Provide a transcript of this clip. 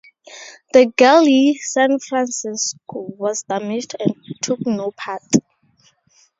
The galley "San Francesco" was damaged and took no part.